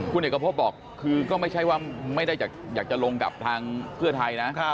คุณเอกพบบอกคือก็ไม่ใช่ว่าไม่ได้อยากจะลงกับทางเพื่อไทยนะ